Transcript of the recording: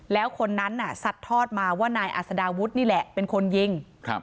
แล้วคนนั้นน่ะสัดทอดมาว่านายอัศดาวุฒินี่แหละเป็นคนยิง